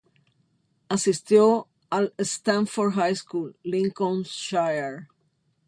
Asistió al Stamford High School, Lincolnshire.